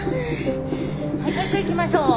はいもう一回いきましょう。